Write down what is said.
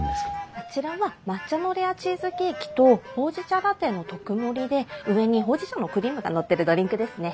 あちらは抹茶のレアチーズケーキとほうじ茶ラテの特盛りで上にほうじ茶のクリームがのってるドリンクですね。